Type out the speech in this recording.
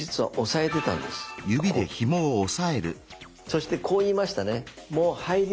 そしてこう言いましたね？